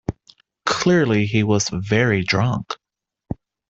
Clearly he was very drunk.